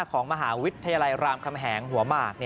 ของมหาวิทยาลัยรามคำแหงหัวหมาก